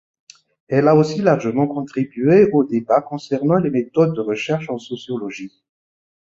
Elle a aussi largement contribué aux débats concernant les méthodes de recherche en sociologie.